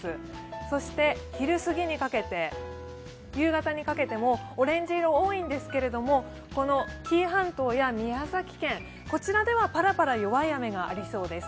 そして、昼過ぎにかけて夕方にかけてもオレンジ色が多いんですけれども、紀伊半島や宮崎県、こちらではパラパラ弱い雨がありそうです。